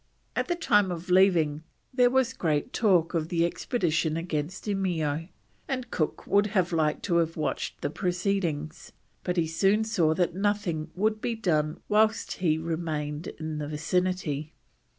At the time of leaving there was great talk of the expedition against Eimeo, and Cook would have liked to have watched the proceedings, but he soon saw that nothing would be done whilst he remained in the vicinity.